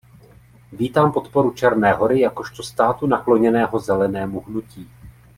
Vítám podporu Černé Hory jakožto státu nakloněného zelenému hnutí.